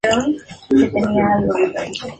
La pista forma parte de la versión deluxe del disco.